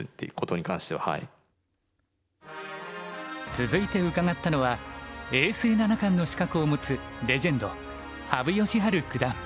続いて伺ったのは永世七冠の資格を持つレジェンド羽生善治九段。